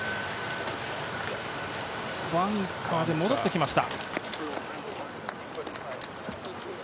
バンカーで戻ってきました。